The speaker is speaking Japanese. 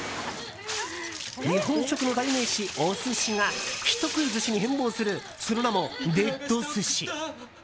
日本食の代名詞、お寿司が人食い寿司に変貌するその名も「デッド寿司」。